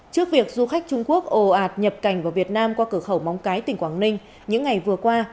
trước việc du khách trung quốc ồ ạt nhập cảnh vào việt nam qua cửa khẩu móng cái tỉnh quảng ninh những ngày vừa qua